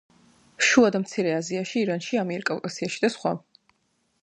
შუა და მცირე აზიაში, ირანში, ამიერკავკასიაში და სხვა.